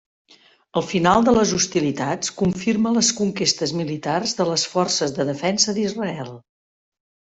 El final de les hostilitats confirma les conquestes militars de les Forces de Defensa d'Israel.